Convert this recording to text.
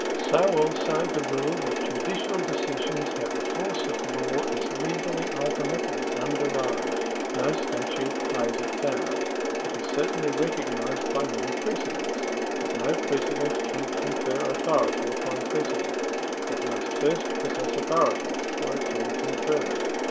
So also the rule that judicial decisions have the force of law is legally ultimate and underived. No statute lays it down. It is certainly recognised by many precedents, but no pre cedent can confer authority upon precedent. It must jSrst possess authority before it can confer it.